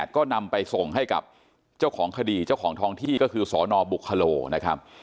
ก็นำไปส่งให้กับเจ้าของคดีเจ้าของทองที่ก็คือสนบุคโลนะครับ